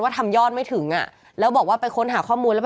ว่าทำยอดไม่ถึงอะแล้วก็บอกว่าไปค้นหาข้อมูล